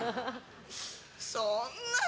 そんな。